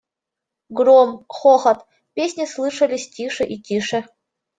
Гром, хохот, песни слышались тише и тише.